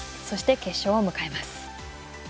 そして決勝を迎えます。